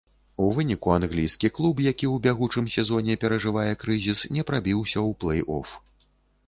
У выніку англійскі клуб, які ў бягучым сезоне перажывае крызіс, не прабіўся ў плэй-оф.